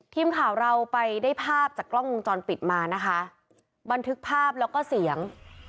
ทีมข่าวเราไปได้ภาพจากกล้องวงจรปิดมานะคะบันทึกภาพแล้วก็เสียง